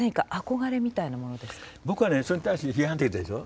僕はねそれに対して批判的でしょ。